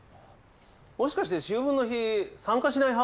もしかして秋分の日参加しない派？